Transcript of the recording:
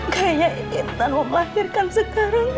kayaknya intan memlahirkan sekarang